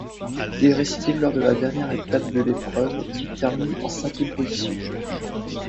Il récidive lors de la dernière étape de l'épreuve, qu'il termine en cinquième position.